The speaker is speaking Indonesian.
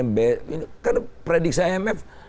kan prediksi imf juli lalu dengan awal